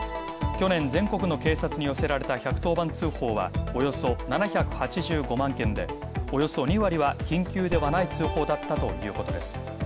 去年、全国の警察に寄せられた１１０番通報はおよそ７８５万件で、およそ２割は緊急ではない通報だったということです。